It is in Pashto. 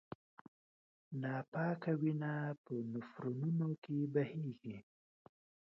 ناپاکه وینه په نفرونونو کې بهېږي.